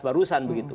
bahas barusan begitu